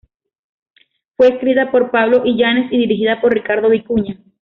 Fue escrita por Pablo Illanes y dirigida por Ricardo Vicuña.